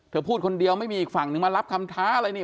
พูดคนเดียวไม่มีอีกฝั่งนึงมารับคำท้าอะไรนี่